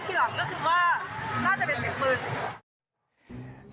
ได้ยิน๒ปั้งเกือบก็คือว่าน่าจะเป็นเห็นพื้น